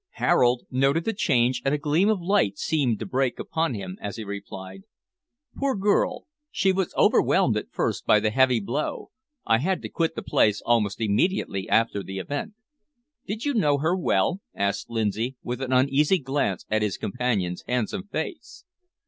Harold noted the change, and a gleam of light seemed to break upon him as he replied: "Poor girl, she was overwhelmed at first by the heavy blow. I had to quit the place almost immediately after the event." "Did you know her well?" asked Lindsay, with an uneasy glance at his companion's handsome face.